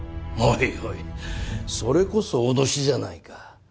おいおいそれこそ脅しじゃないか。